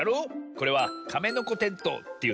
これはカメノコテントウっていうのさ。